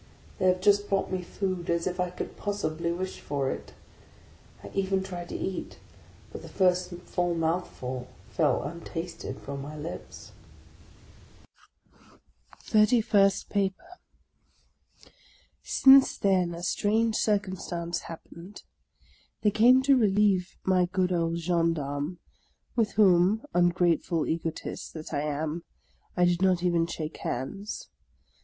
They have just brought me food, as if I could possibly wish for it! I even tried to eat, but the first mouthful fell untasted from my lips. OF A CONDEMNED 83 THIRTY FIRST PAPER SINCE then a strange circumstance happened. They came to relieve my good old gendarme, with whom, un grateful egotist that I am, I did not even shake hands.